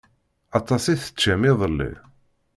Aṭas i teččam iḍelli.